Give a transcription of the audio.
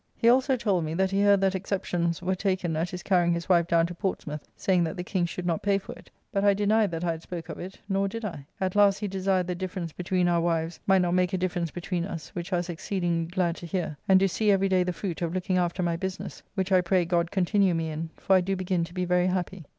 He also told me that he heard that exceptions were taken at his carrying his wife down to Portsmouth, saying that the King should not pay for it, but I denied that I had spoke of it, nor did I. At last he desired the difference between our wives might not make a difference between us, which I was exceedingly glad to hear, and do see every day the fruit of looking after my business, which I pray God continue me in, for I do begin to be very happy.